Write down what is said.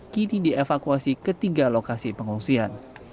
kini dievakuasi ke tiga lokasi pengungsian